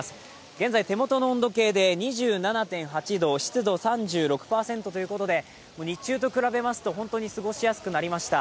現在、手元の温度計で２７．８度、湿度３６％ということで日中と比べますと本当に過ごしやすくなりました。